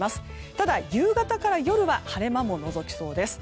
ただ、夕方から夜は晴れ間ものぞきそうです。